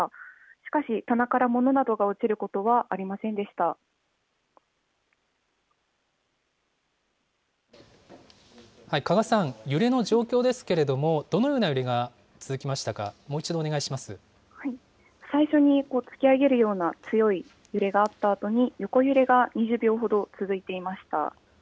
しかし、棚から物などが落ちるこ加賀さん、揺れの状況ですけれども、どのような揺れが続きましたか、もう一最初に突き上げるような強い揺れがあったあとに、横揺れが２０秒ほど続いていました。